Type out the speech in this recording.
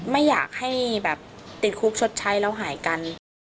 ไม่อยากให้แบบติดคุกชดใช้แล้วหายกัน